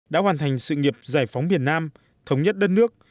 đã hoàn thành sự nghiệp giải phóng miền nam thống nhất đất nước